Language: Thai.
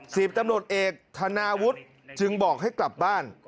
สิบตำรวจเอกธนาวุฒิจึงบอกให้กลับบ้าน